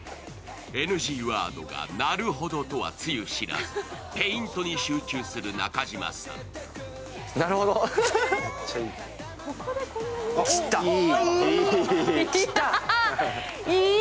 ＮＧワードが「なるほど」とはつゆ知らず、ペイントに集中する中島さん。来た、来た。